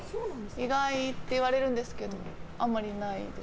意外って言われるんですけどあんまりないです。